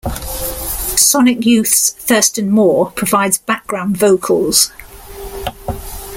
Sonic Youth's Thurston Moore provides background vocals.